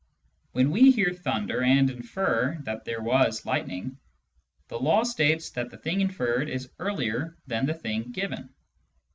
When we hear thunder and infer that there was lightning, the law states that the thing inferred is earlier than the thing given.